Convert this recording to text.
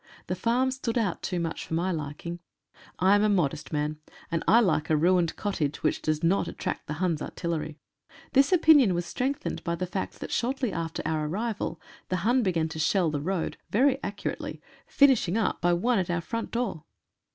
The farm stood out too much for my liking. I am a modest man, and I like a ruined cottage which does not attract the Hun's artil lery. This opinion was strengthened by the fact that shortly after our arrival the Hun began to shell the road, very accurately, finishing up by one at our front door.